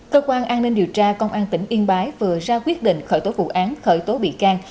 cơ quan an ninh điều tra công an tỉnh yên bái vừa ra quyết định khởi tố vụ án khởi tố bị can